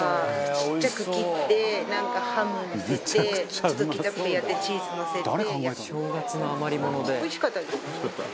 ちっちゃく切ってなんかハムのせてちょっとケチャップをやってチーズのせて焼く。